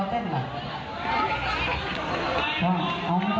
ขอเวลาให้หยุด